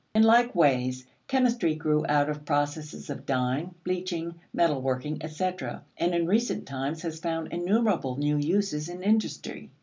In like ways, chemistry grew out of processes of dying, bleaching, metal working, etc., and in recent times has found innumerable new uses in industry.